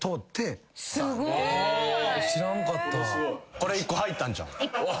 これ１個入ったんちゃう？